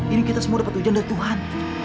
ini kita semua dapat ujian dari tuhan